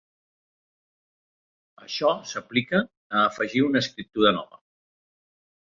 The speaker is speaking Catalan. Això s'aplica a afegir una escriptura nova.